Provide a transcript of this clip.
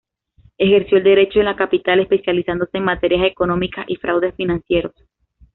Ejerció el derecho en la capital, especializándose en materias económicas y fraudes financieros.